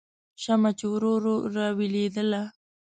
شمعه چې ورو ورو راویلېدله